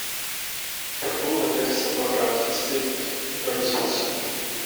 Po dvou letech se oba vrátili zpět do rozhlasu.